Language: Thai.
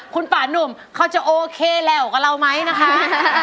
คุณป่านุ่มเขาจะโอเคแล้วกับเราไหมนะคะ